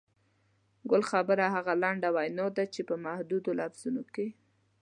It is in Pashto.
ګل خبره هغه لنډه وینا ده چې په محدودو لفظونو کې.